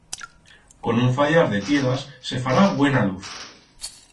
Con un fallar de tiedas se fará buena luz.